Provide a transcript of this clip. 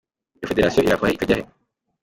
Iyo federasiyo irava he ikajya he?".